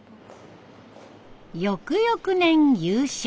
翌々年優勝。